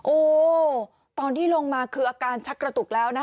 โอ้ตอนที่ลงมาคืออาการชักกระตุกแล้วนะคะ